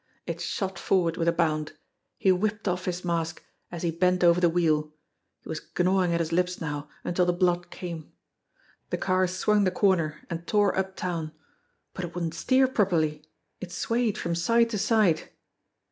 It shot forward with a bound. He whipped off his mask, as he bent over the wheel. He was gnawing at his lips now until the blood came. The car swung the corner and tore uptown. But it wouldn't steer properly. It swayed from side to side.